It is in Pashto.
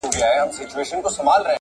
د بولدک ولسوالۍ ختیځ طرف ته